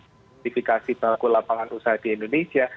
sertifikasi pelaku lapangan usaha di indonesia